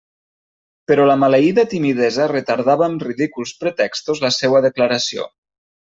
Però la maleïda timidesa retardava amb ridículs pretextos la seua declaració.